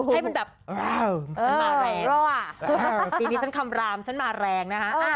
ให้มันแบบฉันมาแรงปีนี้ฉันคำรามฉันมาแรงนะฮะ